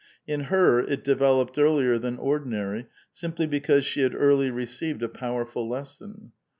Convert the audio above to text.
In her it developed earlier than ordinary, simply because she had early received a powerful lesson.